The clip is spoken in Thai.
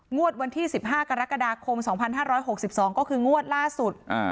งวดวันที่สิบห้ากรกฎาคมสองพันห้าร้อยหกสิบสองก็คืองวดล่าสุดอ่า